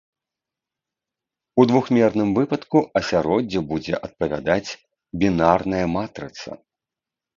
У двухмерным выпадку асяроддзю будзе адпавядаць бінарная матрыца.